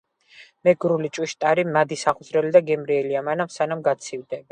მეგრული ჭვიშტარი მადისაღმძვრელი და გემრიელია მანამ, სანამ გაცივდება.